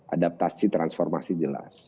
adaptasi transformasi jelas